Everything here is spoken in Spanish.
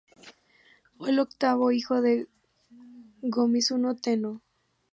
Fue el octavo hijo del Go-Mizunoo Tennō.